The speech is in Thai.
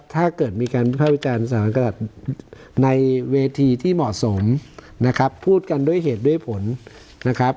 ถ้าเกิดมีการวิภาควิจารณ์สถานการณ์ในเวทีที่เหมาะสมนะครับพูดกันด้วยเหตุด้วยผลนะครับ